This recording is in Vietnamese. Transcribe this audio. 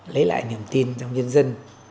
lấy lại niềm tin trong nhân dân